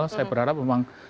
saya berharap memang